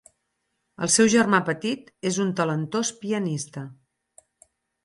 El seu germà petit és un talentós pianista.